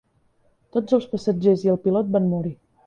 Tots els passatgers i el pilot van morir.